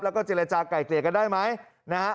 แล้วก็เจรจาไก่เกลียดกันได้ไหม